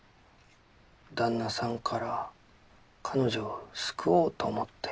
旦那さんから彼女を救おうと思って。